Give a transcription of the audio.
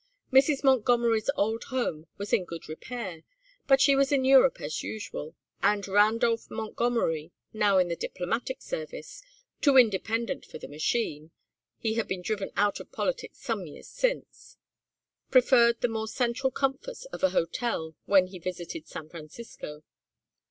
Mrs. Montgomery's old home was in good repair, but she was in Europe as usual, and Randolph Montgomery, now in the diplomatic service too independent for the machine, he had been driven out of politics some years since preferred the more central comforts of a hotel when he visited San Francisco.